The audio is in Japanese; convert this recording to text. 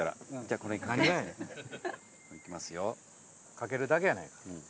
かけるだけやないか。